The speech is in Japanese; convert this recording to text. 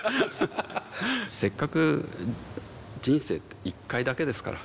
せっかく人生って一回だけですから。